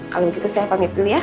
kalau begitu saya pamit dulu ya